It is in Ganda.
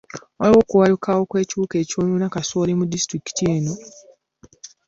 Waliwo okubalukawo kw'ekiwuka ekyonoona kasooli mu disitulikiti eyo.